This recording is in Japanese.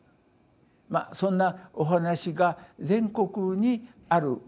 まそんなお話が全国にある。